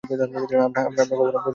আমরা কখনও বকেয়া বরদাশত করি না!